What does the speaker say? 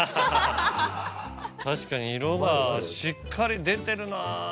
確かに色がしっかり出てるな。